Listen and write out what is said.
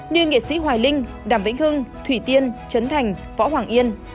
như nghệ sĩ hoài linh đàm vĩnh hưng thủy tiên trấn thành võ hoàng yên